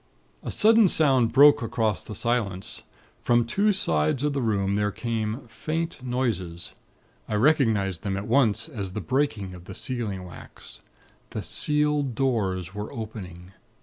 "A sudden sound broke across the silence. From two sides of the room there came faint noises. I recognized them at once, as the breaking of the sealing wax. _The sealed doors were opening.